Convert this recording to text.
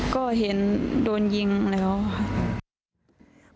ก็เห็นโดนยิงแล้วค่ะ